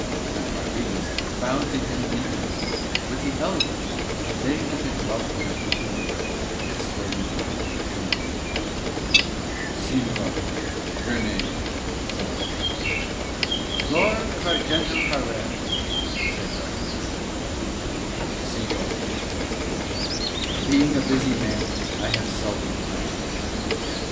And Rodriguez bowed to him in answer with the elegance that they that had dwelt at Arguento Harez had slowly drawn from the ages. "Señor, your name," said the stranger. "Lord of Arguento Harez," said Rodriguez. "Señor," he said, "being a busy man, I have seldom time to pray.